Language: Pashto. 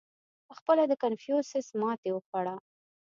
• پهخپله کنفوسیوس ماتې وخوړه.